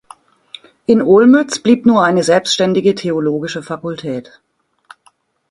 In Olmütz blieb nur eine selbstständige theologische Fakultät.